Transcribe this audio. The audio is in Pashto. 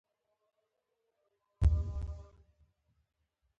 اشراف ځان له نورو لوړ باله.